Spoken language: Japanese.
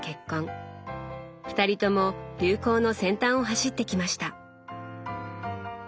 二人とも流行の先端を走ってきました。